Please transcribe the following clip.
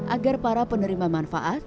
agar para penerima manfaat